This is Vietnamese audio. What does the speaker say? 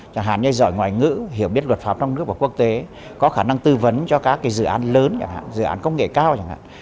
chẳng hạn như giỏi ngoại ngữ hiểu biết luật pháp trong nước và quốc tế có khả năng tư vấn cho các dự án lớn chẳng hạn dự án công nghệ cao chẳng hạn